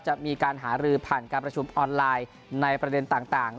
จะมีการหารือผ่านการประชุมออนไลน์ในประเด็นต่าง